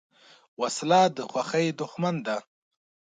وسله د خوښۍ دښمن ده